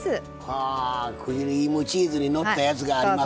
はあクリームチーズにのったやつがありますねこれ。